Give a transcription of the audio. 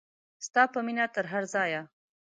ستا په مینه تر هر ځایه.